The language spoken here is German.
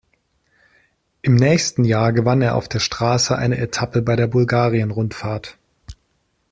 Im nächsten Jahr gewann er auf der Straße eine Etappe bei der Bulgarien-Rundfahrt.